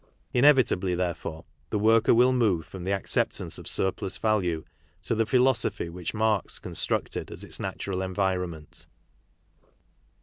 Inevitably, therefore, the worker will move from the acceptance of surplus value to the philosophy which Marx constructed as its natural environment.